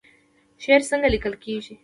شعر څنګه لیکل کیږي؟